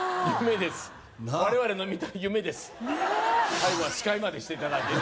最後は司会までしていただいてね